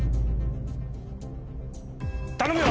頼むよ！